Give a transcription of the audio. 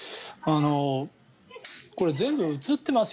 これ全部映ってます